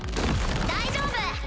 大丈夫！